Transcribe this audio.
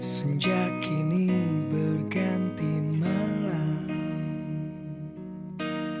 senja kini berganti malam